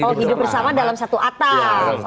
mau hidup bersama dalam satu atap